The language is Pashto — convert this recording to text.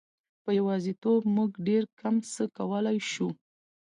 په یوازیتوب موږ ډېر کم څه کولای شو.